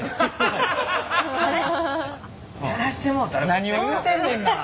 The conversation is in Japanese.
何を言うてんねんな。